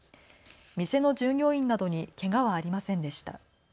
店の従業員などにけがはありませんでした。